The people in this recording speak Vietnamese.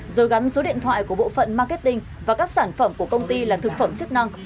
rồi gắn số điện thoại của bộ phận marketing và các sản phẩm của công ty là thực phẩm chức năng